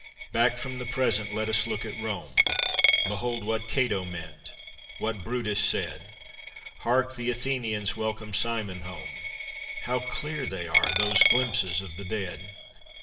Back from the present, let us look at Rome: Behold, what Cato meant, what Brutus said, Hark! the Athenians welcome Cimon home! How clear they are, those glimpses of the dead!